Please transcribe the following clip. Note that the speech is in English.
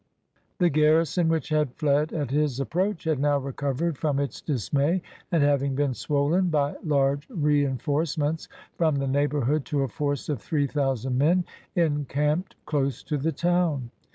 The gar rison, which had fled at his approach, had now recovered from its dismay, and, having been swollen by large rein forcements from the neighborhood to a force of three thousand men, encamped close to the town.